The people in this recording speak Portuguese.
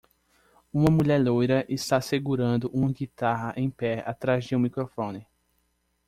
Uma mulher loira está segurando uma guitarra em pé atrás de um microfone.